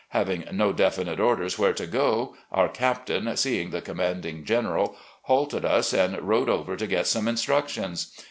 Having no definite orders where to go, our captain, seeing the commanding general, halted us and rode over to get some instructions.